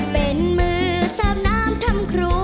เป็นมือเสิร์ฟน้ำทำครู